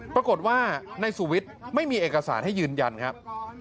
ปรากฏว่านายสุวิทย์ไม่มีเอกสารให้ยืนยันครับ